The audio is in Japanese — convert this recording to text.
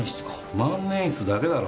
万年筆だけだろ？